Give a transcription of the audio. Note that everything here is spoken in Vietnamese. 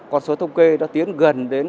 con số thống kê đó tiến gần đến